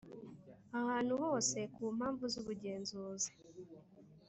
Ahantu hose ku mpamvu z ubugenzuzi